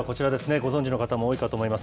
ご存じの方も多いかと思います。